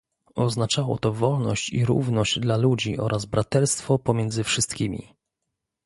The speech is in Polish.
Oznaczało to wolność i równość dla ludzi oraz braterstwo pomiędzy wszystkimi